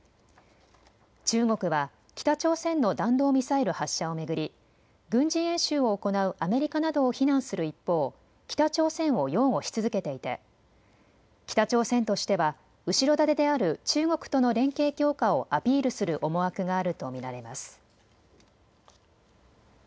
中国は北朝鮮の弾道ミサイル発射を巡り軍事演習を行うアメリカなどを非難する一方、北朝鮮を擁護し続けていて北朝鮮としては後ろ盾である中国との連携強化をアピールする思惑があると見られます。